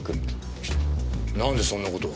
なんでそんな事を。